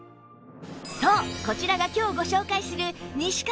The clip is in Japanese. そうこちらが今日ご紹介する西川